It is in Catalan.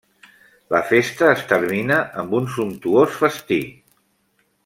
La festa es termina amb un sumptuós festí.